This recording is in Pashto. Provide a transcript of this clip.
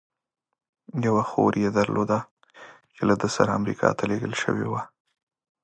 یوه خور یې درلوده، چې له ده سره امریکا ته لېږل شوې وه.